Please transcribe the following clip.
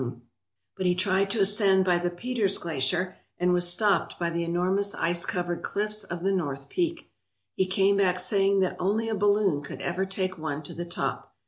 MOUNT McKINLEY, THE "MOST HIGH" but he tried to ascend by the Peters Glacier, and was stopped by the enormous ice covered cliffs of the north peak. He came back saying that only a balloon could ever take one to the top.